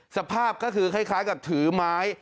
สภาพก็คือคล้ายกับถือไม้